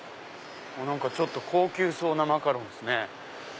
何かちょっと高級そうなマカロンっすね。